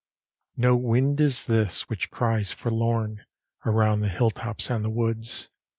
LIX No wind is this which cries forlorn Around the hilltops and the woods!